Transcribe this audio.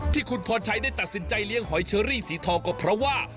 ที่คุณพรชัยได้ตัดสินใจเลี้ยงหอยเชอรี่สีทองก็เพราะว่า